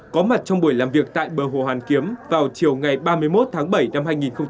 có mặt trong buổi làm việc tại bờ hồ hàn kiếm vào chiều ngày ba mươi một tháng bảy năm hai nghìn hai mươi